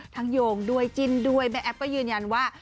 โยงด้วยจิ้นด้วยแม่แอฟก็ยืนยันว่า